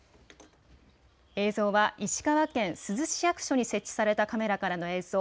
映像は石川県珠洲市役所に設置されたカメラからの映像。